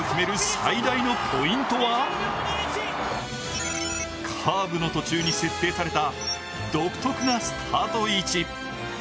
最大のポイントはカーブの途中に設定された独特なスタート位置。